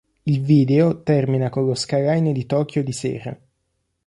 Il video termina con lo skyline di Tokyo di sera.